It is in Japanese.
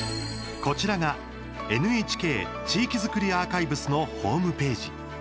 こちらがＮＨＫ地域づくりアーカイブスのホームページ。